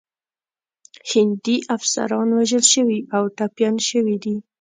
هندي افسران وژل شوي او ټپیان شوي دي.